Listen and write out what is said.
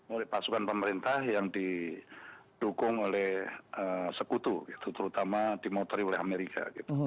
oleh pasukan pemerintah yang didukung oleh sekutu gitu terutama dimoteri oleh amerika